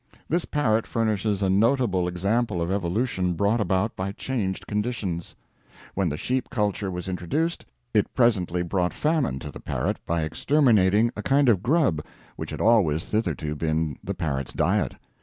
This parrot furnishes a notable example of evolution brought about by changed conditions. When the sheep culture was introduced, it presently brought famine to the parrot by exterminating a kind of grub which had always thitherto been the parrot's diet.